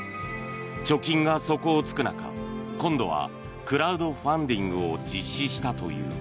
貯金が底を突く中今度はクラウドファンディングを実施したという。